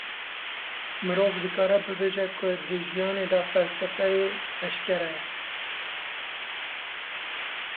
Mirov dikare bibêje ku di jiyanê de felsefeyê eşkere ye.